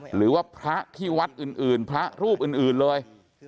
หรือว่าพระที่วัดอื่นพระรูปอื่นเลย